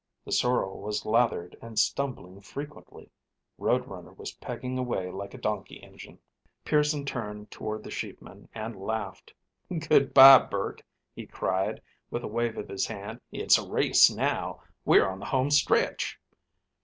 The sorrel was lathered, and stumbling frequently; Road Runner was pegging away like a donkey engine. Pearson turned toward the sheepman and laughed. "Good bye, Burr," he cried, with a wave of his hand. "It's a race now. We're on the home stretch."